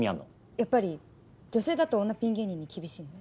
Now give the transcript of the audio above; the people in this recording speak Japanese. やっぱり女性だと女ピン芸人に厳しいので。